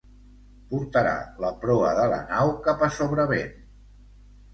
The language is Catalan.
Portarà la proa de la nau cap a sobrevent.